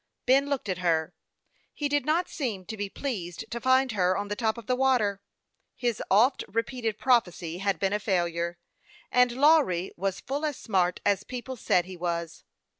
Ben looked at her ; he did not seem to be pleased to find her on the top of the water. His oft repeated prophecy had been a failure, and Lawry was full as smart as people said he was.